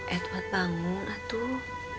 edward bangun atuh